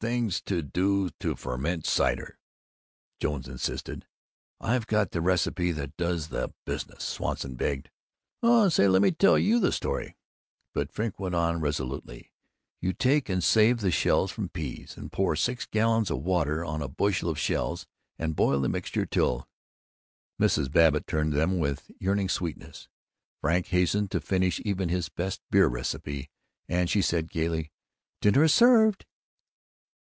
Thing to do is to ferment cider!" Jones insisted, "I've got the receipt that does the business!" Swanson begged, "Oh, say, lemme tell you the story " But Frink went on resolutely, "You take and save the shells from peas, and pour six gallons of water on a bushel of shells and boil the mixture till " Mrs. Babbitt turned toward them with yearning sweetness; Frink hastened to finish even his best beer recipe; and she said gaily, "Dinner is served."